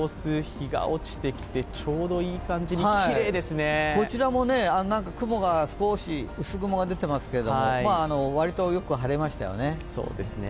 日が落ちてきてちょうどいい感じに、きれいですねこちらも雲が少し、薄雲が出ていますけども割とよく晴れましたよね。